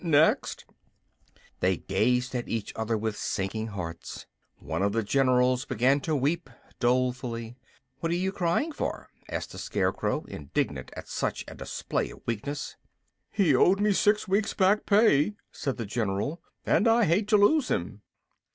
Next!" They gazed at each other with sinking hearts. One of the generals began to weep dolefully. "What are you crying for?" asked the Scarecrow, indignant at such a display of weakness. "He owed me six weeks back pay," said the general, "and I hate to lose him."